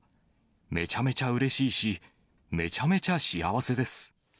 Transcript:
めちゃめちゃうれしいし、めちゃめちゃ幸せです。